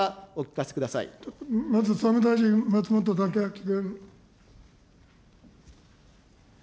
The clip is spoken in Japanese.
ちょっとまず、総務大臣、松本剛明君。